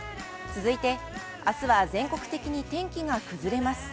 続いてあすは全国的に天気が崩れます。